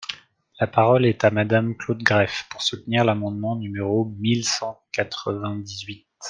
La parole est à Madame Claude Greff, pour soutenir l’amendement numéro mille cent quatre-vingt-dix-huit.